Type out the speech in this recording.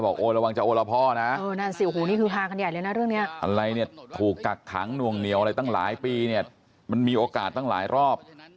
ขังหนวงเหนียวอะไรตั้งหลายปีเนี่ยมันมีโอกาสตั้งหลายรอบ